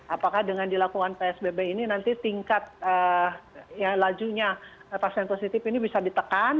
apakah dengan dilakukan psbb ini nanti tingkat lajunya pasien positif ini bisa ditekan